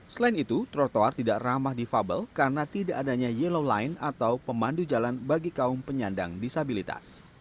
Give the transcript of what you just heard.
selain itu trotoar tidak ramah difabel karena tidak adanya yellow line atau pemandu jalan bagi kaum penyandang disabilitas